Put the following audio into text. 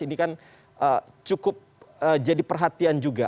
ini kan cukup jadi perhatian juga